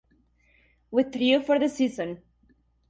Withdrew for the season.